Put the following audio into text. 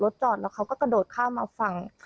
รถจอดเขากระดดต้นข้างข้าง